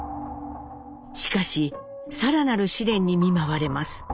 しかし更なる試練に見舞われます。